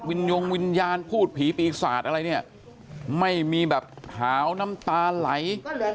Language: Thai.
วิญญวงวิญญาณผู้ผีปีศาสตร์อะไรเนี่ยไม่มีแบบเผาน้ำตาไหล